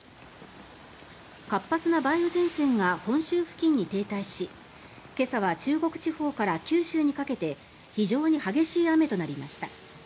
活発な梅雨前線が本州付近に停滞し今朝は中国地方から九州にかけて非常に激しい雨となりました。